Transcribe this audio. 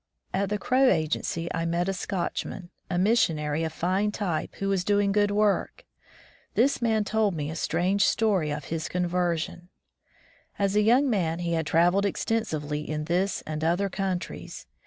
At the Crow agency I met a Scotchman, a missionary of fine type, who was doing good work. This man told me a strange story of his conversion. As a young man, he had traveled extensively in this and other coun tries.